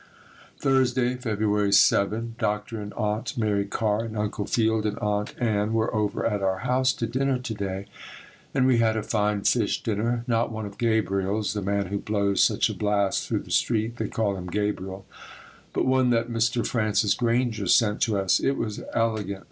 Thursday, February 7. Dr. and Aunt Mary Carr and Uncle Field and Aunt Ann were over at our house to dinner to day and we had a fine fish dinner, not one of Gabriel's (the man who blows such a blast through the street, they call him Gabriel), but one that Mr. Francis Granger sent to us. It was elegant.